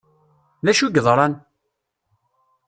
D acu i yeḍran?